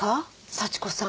幸子さん。